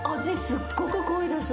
すっごく濃いです。